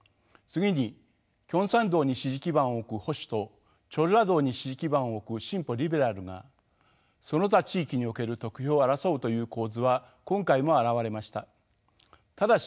次にキョンサン道に支持基盤を置く保守とチョルラ道に支持基盤を置く進歩リベラルがその他地域における得票を争うという構図は今回も現れました。